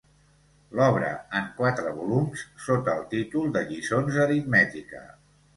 L'obra, en quatre volums, sota el títol de Lliçons d'aritmètica.